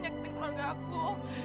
nyakitin keluarga aku